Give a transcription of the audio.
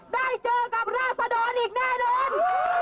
ได้เจอกับราศดรอีกแน่นอน